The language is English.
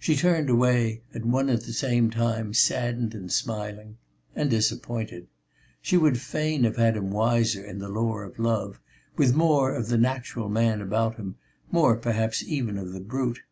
She turned away, at one and the same time saddened and smiling, and disappointed. She would fain have had him wiser in the lore of love, with more of the natural man about him, more perhaps even of the brute.